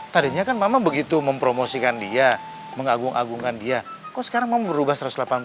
tadinya kan mama begitu mempromosikan dia mengagung agungkan dia kok sekarang mau berubah